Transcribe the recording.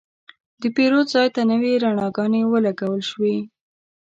د پیرود ځای ته نوې رڼاګانې ولګول شوې.